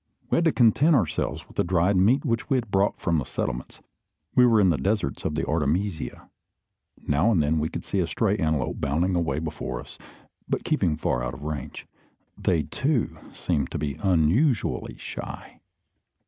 We had to content ourselves with the dried meat which we had brought from the settlements. We were in the deserts of the artemisia. Now and then we could see a stray antelope bounding away before us, but keeping far out of range. They, too, seemed to be unusually shy.